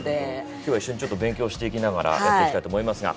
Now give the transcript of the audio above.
今日は一緒にちょっと勉強していきながらやっていきたいと思いますが。